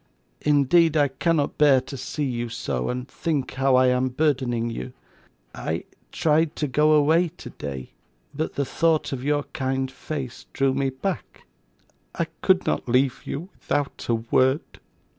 Indeed I cannot bear to see you so, and think how I am burdening you. I tried to go away today, but the thought of your kind face drew me back. I could not leave you without a word.